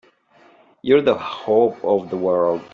You're the hope of the world!